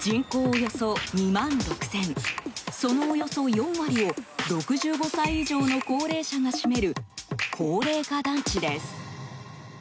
およそ２万６０００その、およそ４割を６５歳以上の高齢者が占める高齢化団地です。